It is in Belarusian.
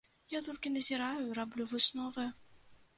Я толькі назіраю і раблю высновы.